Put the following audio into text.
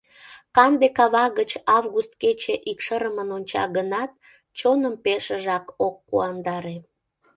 Канде кава гыч август кече икшырымын онча гынат, чоным пешыжак ок куандаре.